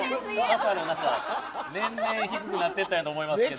年々低くなっていったんやと思いますけど。